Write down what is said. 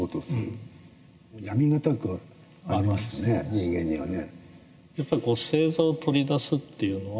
人間にはね。